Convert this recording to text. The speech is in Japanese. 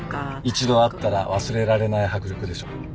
一度会ったら忘れられない迫力でしょ？